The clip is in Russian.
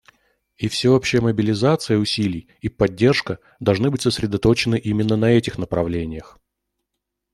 И всеобщая мобилизация усилий и поддержка должны быть сосредоточены именно на этих направлениях.